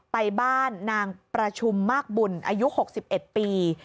ไปบ้านนางประชุมมากบุญอายุ๖๑ปี